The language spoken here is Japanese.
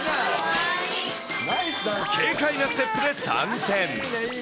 軽快なステップで参戦。